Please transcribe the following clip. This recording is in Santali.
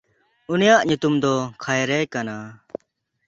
ᱩᱱᱤᱭᱟᱜ ᱧᱩᱛᱩᱢ ᱫᱚ ᱠᱷᱟᱭᱨᱭ ᱠᱟᱱᱟ᱾